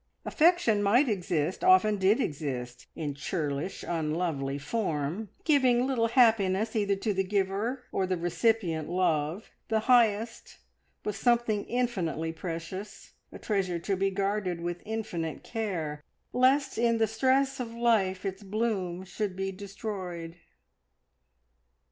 Affection might exist, did often exist, in churlish, unlovely form, giving little happiness either to the giver or the recipient Love, the highest, was something infinitely precious, a treasure to be guarded with infinite care, lest in the stress of life its bloom should be destroyed.